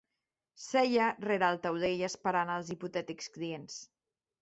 Seia rere el taulell esperant els hipotètics clients.